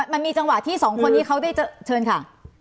มันมีจังหวะที่สองคนนี้เขาได้เจอเชิญค่ะ